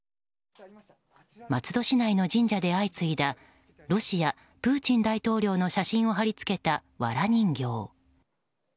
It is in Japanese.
松戸市内の神社で相次いだロシア、プーチン大統領の写真を貼り付けた、わら人形。